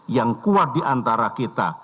yang kuat di antara kita